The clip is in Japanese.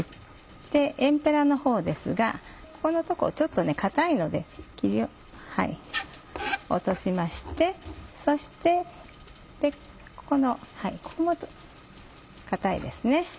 エンペラのほうですがここの所ちょっと硬いので切り落としましてそしてここも硬いですね。